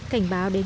cảnh báo đến